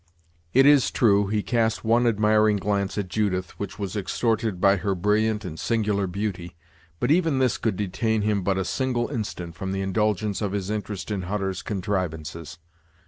It is true, he cast one admiring glance at Judith, which was extorted by her brilliant and singular beauty; but even this could detain him but a single instant from the indulgence of his interest in Hutter's contrivances.